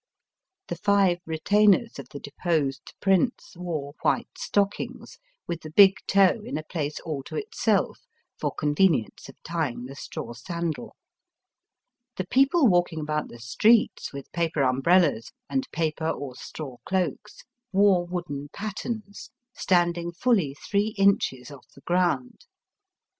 The five retainers of the deposed prince wore white stockings, with the big toe in a place all to itself for convenience of tying the straw sandal. The people walking about the streets with paper umbrellas, and paper or straw cloaks, wore wooden pattens, standing fully three inches off the ground.